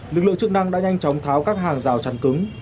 lực lượng chức năng đã nhanh chóng tháo các hàng rào chắn cứng